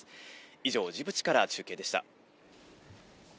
以上、ジブチから中継でした。